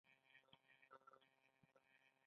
انجنیر باید خلاق وي